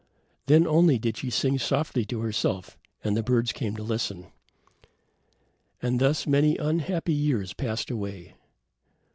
Then only did she sing softly to herself, and the birds came to listen. And thus many unhappy years passed away.